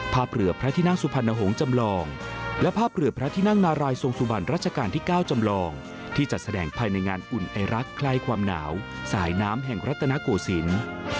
ภาพเรือพระที่นั่งสุพรรณหงษ์จำลองและภาพเรือพระที่นั่งนารายทรงสุบันรัชกาลที่๙จำลองที่จัดแสดงภายในงานอุ่นไอรักษ์ใกล้ความหนาวสายน้ำแห่งรัฐนาโกศิลป์